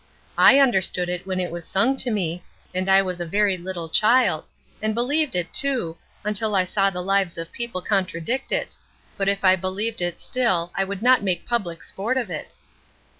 I understood it when it was sung to me and I was a very little child and believed it, too, until I saw the lives of people contradict it; but if I believed, it still I would not make public sport of it."